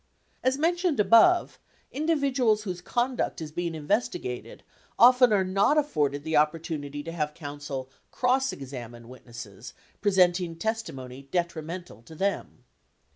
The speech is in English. As mentioned above, individuals whose conduct is being investigated, often are not afforded the opportunity to have counsel "cross examine" witnesses presenting testimony detrimental to them.